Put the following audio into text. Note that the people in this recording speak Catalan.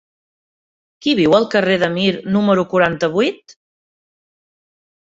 Qui viu al carrer de Mir número quaranta-vuit?